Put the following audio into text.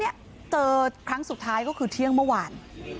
ปี๖๕วันเกิดปี๖๔ไปร่วมงานเช่นเดียวกัน